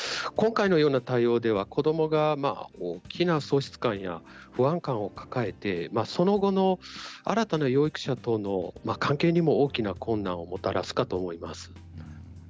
今回のような対応では子どもが大きな喪失感や不安感を抱えてその後の新たな養育者との関係にも大きな困難をもたらすかと思います。